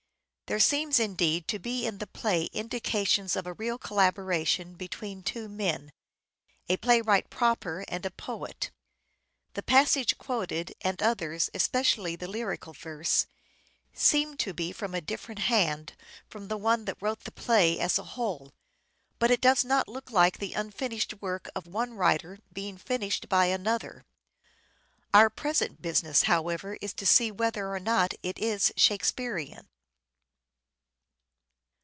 There seems, indeed, to be in the play indications of a real collaboration between two men, a playwright proper, and a poet. The passage quoted, and others, especially the lyrical verse, seem to be from a different hand from the one that wrote the play as a whole; but it does not look like the unfinished work of one writer being finished by another. Our present business, however, is to see whether or not it is Shakespearean.